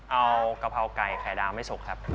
เอากะเพราไก่ไข่ดาวไม่สุกครับ